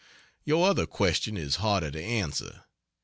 Your other question is harder to answer.